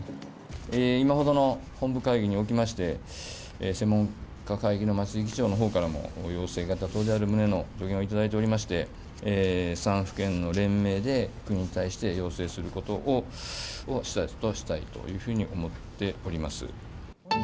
今ほどの本部会議におきまして、専門家会議の松井議長のほうからも要請が妥当である旨の助言を頂いておりまして、３府県の連名で、国に対して要請することをしたいというふうに思っております。